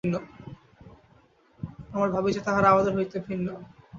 আমরা ভাবি যে, তাহারা আমাদের হইতে ভিন্ন।